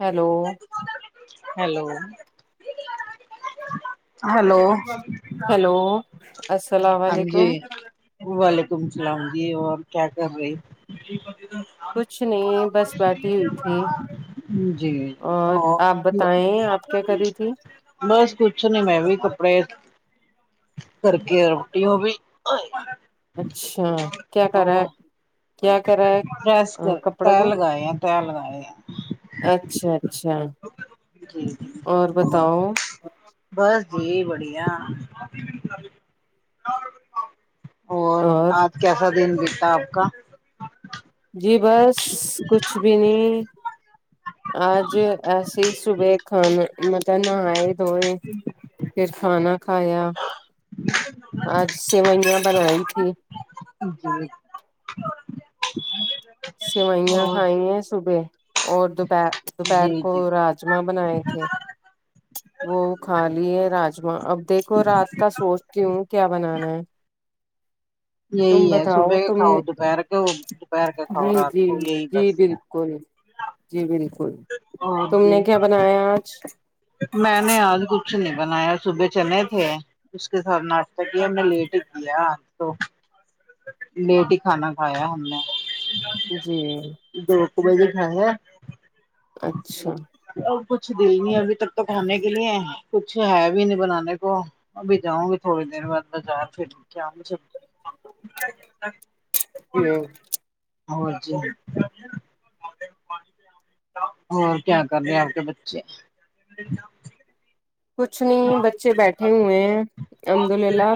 hello hello hello hello السلام ہاں جی علیکم وعلیکم سلام جی اور کیا کر رہی ہو کچھ نہیں بس بیٹھی ہوئی جی جی اور آپ بتائیں آپ کیا کر رہی تھی بس کچھ نہیں میں بھی اب بیٹھی کر کے لیٹی ہو ابی اچھا کیا کرر کیا کرا ہے پریس کر کپڑے تہ کو لگائے ہیں تہ لگائے ہیں اچھا اچھا جی جی اور بتاؤ بس جی بڑیا اور کیسا دن بیتا آپ کا جی بس کچھ بھی نہیں آج ایسیے ہی صبح کھانا مطلب نہائے دھوئے پھر کھانا کھایا جی آج سیوئیاں بنائی تھی جی سیوئیاں اور کھائی ہیں صبح اور دوپہر جی دوپہر کو جی راجما بنائے تھے وہ کھا لیے راجما اب دیکھو رات کا سوچتی ہوں کیا بنانا ہے تم یہی ہے صبح بتاؤ کے تم کھاؤ دوپہر کے دوپہر کے کھاؤ نے رات جی کو جی یہی جی بس ہے بالکل جی بالکل اور تم جی نے کیا بنایا آج میں نے آج کچھ نہیں بنایا صبح چنے تھے اس کے ساتھ ناستہ بھی ہم نے لیٹ کیا تو لیٹ ہی کھانا کھایا ہم نے جی [unintelligible] دیڑھ بجے کھایا اچھا اور کچھ دل نہیں ابھی تک تو کھانے کے لیے کچھ ہے بھی نہیں بنانے کو ابھی جاؤں گی تھوڑی دیر بد بازار پھر کیا مجھے جی اور جی اور کیا کر رہے ہیں آپ کے بچے کچھ نہیں بچے بیٹھے ہوئے ہیں الحمد للہ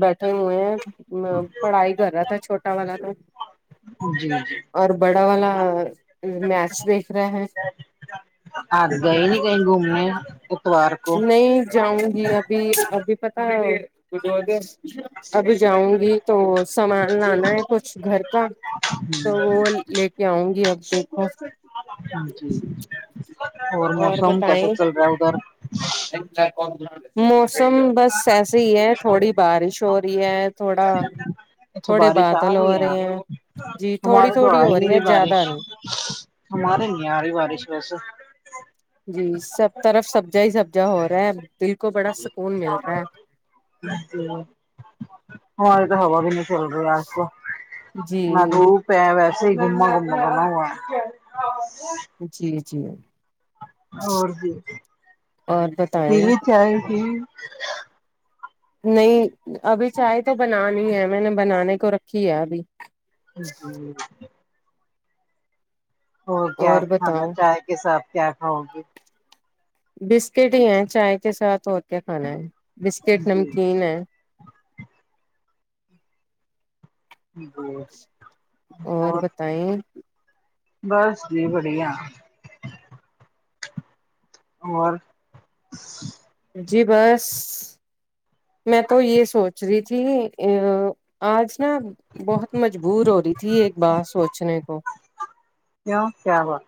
بیٹھے ہوئے ہیں ام پڑھائی کر رہا تھا چھوٹا والا تو جی جی اور بڑا والا میچ دیکھ رہا ہے آج گئے نہیں کہیں گھومنے ہو نہیں جاؤں گی ابھی ابھی پتا ہے ابھی جاؤں گی تو سامان لانا ہے کچھ گھر کا تو وہ لے کے آؤں گی اب دیکھو ہاں جی اور موسم کیسا چل رہا ہے ادھر کون [unintelligible] موسم بس ایسے ہی ہے تھوڑی بارش ہو رہی ہے تھوڑا اچھا تھوڑے بارش آ بادل ہو رہی ہے یہاں رہے ہیں جی تھوڑی تھوڑی ہو رہی ہے زیادہ نہیں ہماریے نہیں ارہی بارش ویسے جی سب طرف سبزا ہی سبزا ہو رہا ہے دل کو بڑا سکون مل رہا ہے ہمارے یہاں تو ہوا بھی نہیں چل رہی آج تو جی نا دھوپ پے ویسے ہی گھوما گومنا بنا ہوا [unintelligible] جی جی اور جی اور بتائیں پئیے چائے پئیے نہیں ابھی چائے تو بنانی ہے میں نے بنانے کو رکھی ہے ابھی جی اور کیا کھانا چائے کے ساتھ کیا کھاؤ گی بسکٹ ہی ہیں چائے کے ساتھ اور کیا کھانا ہے بسکٹ جی نمکین ہے جی اور بتائیں بس جی بڑھیا اب اور جی بس میں تو یہ سوچ رہی تھی ا آج نا بہت مجبور ہو رہی تھی ایک بات سوچنے کو کیا کیا بات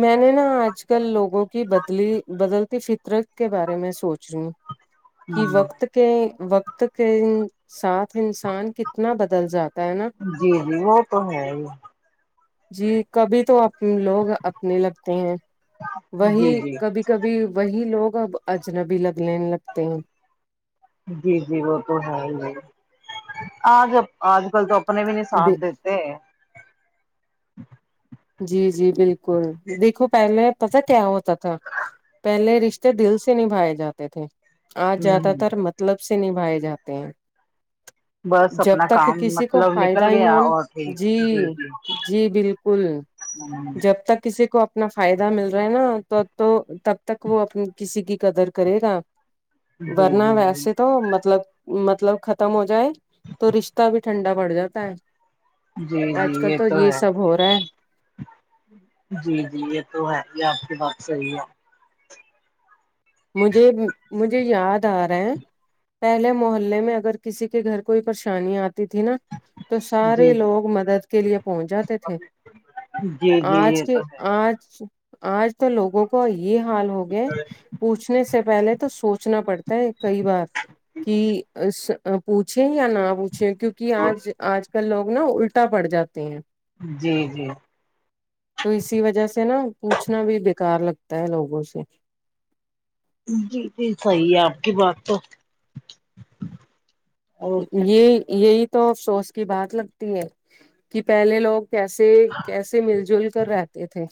میں نے نا آج کل لوگوں کی بدلی بدلتی فطرت کے بارے میں سوچ رہی ہوں اچ کہ وقت کے وقت کے ساتھ انسان کتنا بدل جاتا ہے نا جی جی وہ تو ہے ہی جی کبھی تو لوگ اپنے لگتے ہیں وہی جی جی کبھی کبھی وہی لوگ اب اجنبی لگنے لگتے ہیں جی جی وہ تو ہے ہی آج آج کل تو اپنے بھی نہیں دے- ساتھ دیتے ہے جی جی بالکل دیکھو پہلے پتا ہے کیا ہوتا تھا پہلے رشتے دل سے نبھائے جاتے تھے آج ہ زیادہ تر مطلب سے نبھائے جاتے ہیں بس جب اپنا تک کام کسی کو مطلب نکل فائدہ ہی گیا نان اور پھر جی جی جی بالکل جی جب تک کسی کو اپنا فائدہ مل رہا ہے نا تو تو تب تک وہ اپنی کسی کی قدر کرے گا جی ورنہ جی ویسے تو مطلب مطلب ختم ہو جائے تو رشتہ بھی ٹھنڈا پڑ جاتا ہے جی آج کل جی تو یہ ہے سب ہو رہا ہے جی جی یہ تو ہے یہ آپ کی بات صحیح ہے مجھے مجھے یاد آ رہا ہے پہلے محلے میں اگر کسی کے گھر کوئی پریشانی آتی تھی نا تو جی سارے جی لوگ مدد کے لیے پہنچ جاتے تھے جی جی آج یہ تو کے ہے آج آج تو لوگوں کو یہ حال ہو گیا پوچھنے سے پہلے تو سوچنا پڑتا ہے کئی بار کہ پوچھیں یا نہ پوچھیں کیونکہ آج آج کل لوگ نا الٹا پڑ جاتے ہیں جی جی تو اسی وجہ سے نا پوچھنا بھی بیکار لگتا ہے لوگوں سے جی جی صحی ہے آپ کی بات تو اور یہ یہی تو افسوس کی بات لگتی ہے کہ پہلے لوگ کیسے کیسے مل جل کر رہتے تھے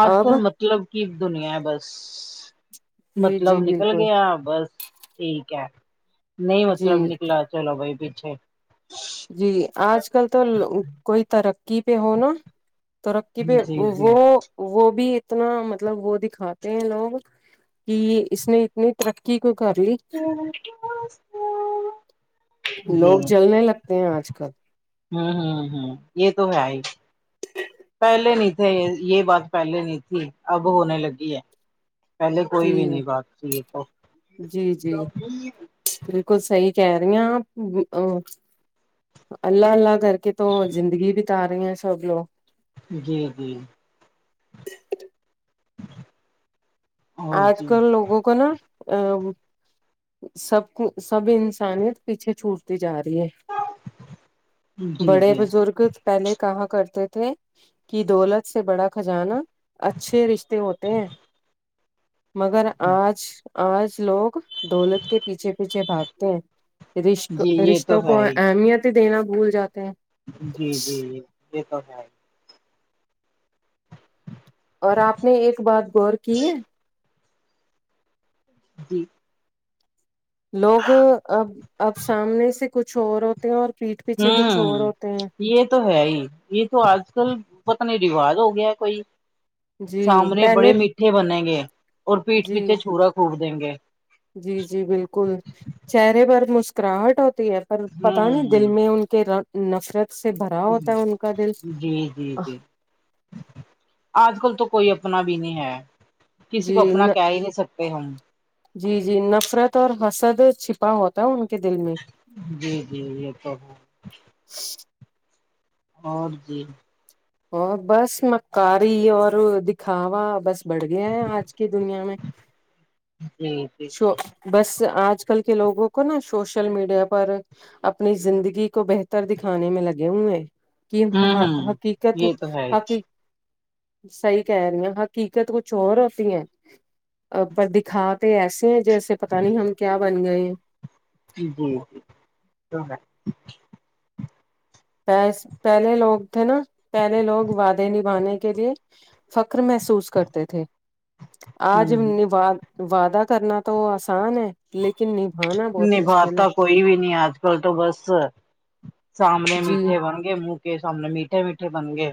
آج اب کل مطلب کی دنیا ہے بس جی مطلب جی نکل بالکل گیا بس ٹھیک ہے نہیں جی مطلب نکلا چلو بھائی پیچھے جی آج کل تو کوئی ترقی پہ ہو نا ترقی پہ جی جی وہ وہ بھی اتنا مطلب وہ دکھاتے ہیں لوگ کہ اس نے اتنی ترقی کیو کر لی لوگ جلنے لگتے ہیں جی آج کل ھمم ھمم ھمم یہ تو ہے ہی پہلے نہیں تھے یہ بات پہلے نہیں تھی اب ہونے لگی ہے پہلے کوئی جی بھی نہیں بات تھی یہ تو جی جی بالکل صحی کہہ رہی ہے آپ اللہ اللہ کر کہ تو زندگی بتا رہی ہیں سب لوگ جی جی اور آج جی کل لوگوں کو نا ا سب کو سب انسانیت پیچھے چھوٹتی جا رہی ہے جی بڑے جی بزرگ پہلے کہاں کرتے تھے کہ دولت سے بڑا خجانہ اچھے رشتے ہوتے ہیں مگر آج آج لوگ دولت کے پیچھے پیچھے بھاگتے ہیں رشق جی یہ رشتوں تو ہے کو ہی اہمیت ہی دینا بھول جاتے ہیں جی جی جی یہ تو ہیں اور آپ نے ایک بات غور کی ہے جی لوگ اب اب سامنے سے کچھ اور ہوتے ہیں اور پیٹھ پیچھے کچھ ہمم اور ہوتے ہیں یہ تو ہے ہی یہ تو آج کل پت نہیں رواج ہو گیا ہے کوئی جی سامنے پہلے بڑے میٹھے بنیں گے اور پیٹھ جی پیچھے چھورا کوھب دیں گے جی جی بالکل چہرے پر مسکراہٹ ہوتی ہے پر پتا نہیں دل ہوں میں ان کے رد نفرت سے بھرا ہوتا ہے ان کا دل جی جی جی آج کل تو کوئی اپنا بھی نہیں ہے کسی کو جی اپنا کہہ ہی نہیں سکتے ہم جی جی نفرت اور حسد چپ ہا ہوتا ہے ان کے دل میں جی جی یہ تو ہے اور جی اور بس مکاری اور دکھاوا بس بڑھ گیا ہے آج کی دنیا میں جی جی شو بس آج کل کے لوگوں کو نا سوشل میڈیا پر اپنی زندگی کو بہتر دکھانے میں لگے ہوئے ہیں کی ہا ہوں ہا ہوں حقیقت ہے یہ تو کی حقیق جی صحیح کہہ رہی ہیں حقیقت کچھ اور ہوتی ہے آ پر دکھاتے ایسے ہیں جیسے پتا نہیں ہم کیا بن گئے ہیں [unintelligible] جی پس پہلے لوگ تھے نا پہلے لوگ وعدے نبھانے کے لیے فخر محسوس کرتے تھے آج ہوں نبا وعدہ کرنا تو آسان ہے لیکن نبھانا بہت مشکل ہے نبھاتا کوئی بھی نہیں آج کل تو بس سامنے جی میٹھے بن گئے منک کے سامنے میٹھے میٹھے بن گئے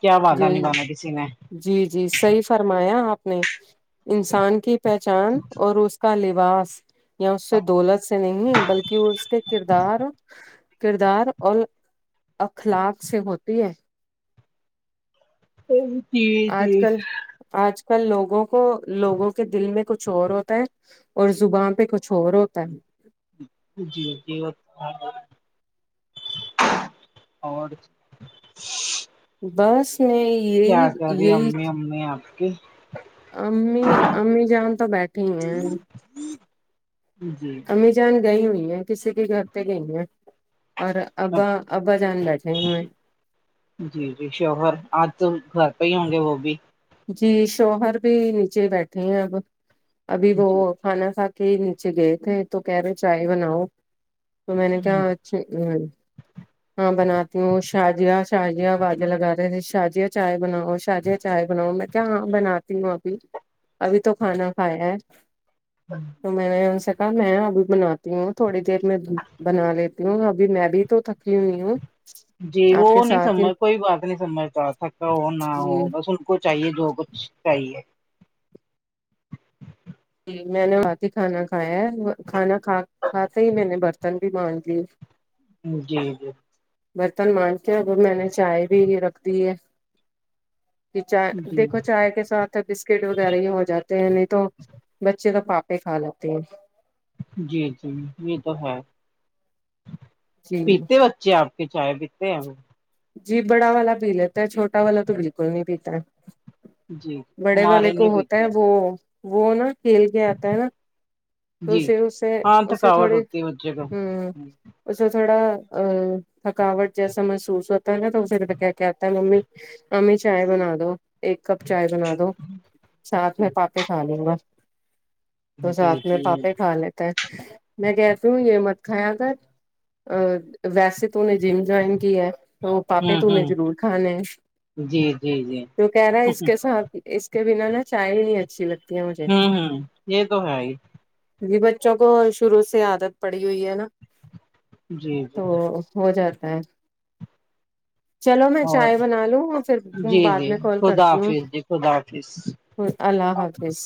کیا جی وعدہ نبانا کسی نے جی جی صحیح فرمایا آپ نے انسان کی پہچان اور اس کا لباس یا اس سے دولت سے نہیں بلکہ وہ اس کے کردار کردار اور اخلاق سے ہوتی ہے تو ان کی آج کل آج کل لوگوں کو لوگوں کے دل میں کچھ اور ہوتا ہے اور زبان پہ کچھ اور ہوتا ہے جی جی اور اور بس میں کیا یہی کر رہی یہی امی امی آپ کی امی امی جان تو بیٹھے ہی ہیں جی جی امی جان گئی ہوئی ہیں کسی کے گھر پہ گئی ہیں اور ابا ابا جان بیٹھے ہوے ہے جی جی شوہر آج تو گھر پہ ہی ہوں گے وہ بھی جی شوہر بھی نیچے بیٹھے ہیں ابھی ابھی جی وہ کھانا کھا کے نیچے گئے تھے تو کہہ رہے چائے بناؤ تو میں نے کہا چھ ہم ہاں بناتی ہوں شاجیا شاجیا آوازے لگا رہے تھے شاجیا چائے بناؤ شاجیا چائے بناؤ میں کہا ہاں بناتی ہوں بناتی ہوں ابھی تو کھانا کھایا ہے ہاں تو میں نے ان سے کہا میں ابھی بناتی ہوں تھوڑی دیر میں بنا لیتی ہوں ابھی میں بھی تو تھک جی وہ نہیں ساتھ ہی سمجھتا کوئی بات نہیں سمجھتا تھکا ہو نہ ہو جی بس اس کو چاہیے جو ہوگا کچھ چاہیے جی میں نے آتے ہی کھانا کھایا ہے میں کھانا کھا کھاتے ہی میں نے برتن بھی مانجھ لیے جی جی برتن مانجھ کے ابھی میں نے چائے بھی رکھ دی ہے کہ چائے جی دیکھو چائے کے ساتھ بسکٹ وغیرہ ہی ہو جاتے ہیں نہیں تو بچے وا پاپڑ کھا لیتی ہوں جی جی یہ تو ہے جی پیتے ہے بچے آپ کے چائے پیتے ہیں ہم جی بڑا والا پی لیتا ہے چھوٹا والا تو بالکل نہیں پیتا ہے جی بڑے والے ہمارے کو نہیں ہوتا پیتے ہے جو وہ نا کھیل کے آتا ہے نا توے جی اسے اسے ہاں ا سے تھکاوٹ تھوڑی ہوتی ہے بچے کو امم اسے تھوڑا آ تھکاوٹ جیسا محسوس ہوتا ہے نا تو ذرا کے آتا ہے ممی امی چائے بنا دو ایک کپ چائے بنا دو ساتھ میں جی پاپڑ کھا لوں گا تو جی ساتھ میں جی پاپڑ کھا لیتے ہے میں کہتی ہوں یہ مت کھایا کر اب ویسے تو نے جم جوائن کی ہے تو پاپڑ ہوں تونے ہوں ضرور کھانے ہیں جی جی جی تو کہہ رہا ہے اس کے ساتھ اس کے بنا نہ چائے بھی نہیں اچھی لگتی ہے مجھے امم یہ تو ہے ہی جی بچوں کو شروع سے عادت پڑی ہوئی ہے نا جی جی تو ہو جاتا ہے چلو میں اور چائے بنا لوں پھر جی بعد جی میں کال خدا کرتی ہوں حافظ جی خدا حافظ امم اللہ حافظ